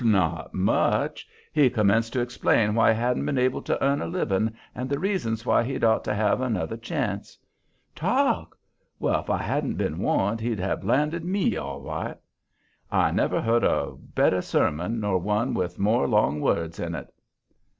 Not much; he commenced to explain why he hadn't been able to earn a living and the reasons why he'd ought to have another chance. Talk! Well, if I hadn't been warned he'd have landed ME, all right. I never heard a better sermon nor one with more long words in it.